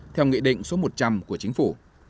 theo nghị định số một trăm linh của chính phủ